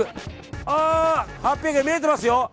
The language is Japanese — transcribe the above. ８００円、見えてますよ。